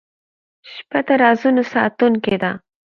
• شپه د رازونو ساتونکې ده.